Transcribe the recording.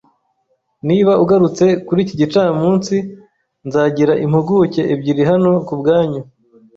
Niba ugarutse kuri iki gicamunsi, nzagira impuguke ebyiri hano kubwanyu